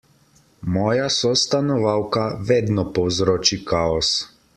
Moja sostanovalka vedno povzroči kaos.